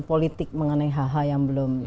politik mengenai hh yang belum